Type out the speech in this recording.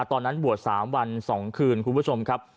ตอนนั้นบวช๓วัน๒คืนคุณผู้ชมครับ